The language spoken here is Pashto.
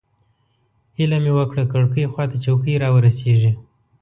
هیله مې وه کړکۍ خوا ته چوکۍ راورسېږي.